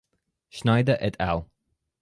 Schneider "et al.